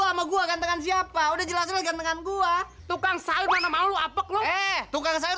sama gua gantengan siapa udah jelasin gantengan gua tukang sayur mana mau apa tuh eh tukang sayur